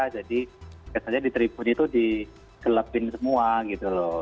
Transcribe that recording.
jadi kayaknya di tribun itu diselepin semua gitu loh